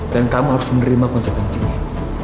dan kamu harus menerima konsep kebencinya